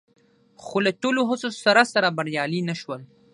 خو له ټولو هڅو سره سره بریالي نه شول